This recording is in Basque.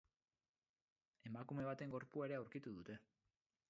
Emakume baten gorpua ere aurkitu dute.